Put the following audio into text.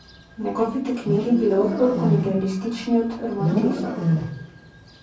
Неговите книги биле отпор кон идеалистичниот романтизам.